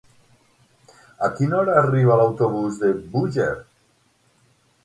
A quina hora arriba l'autobús de Búger?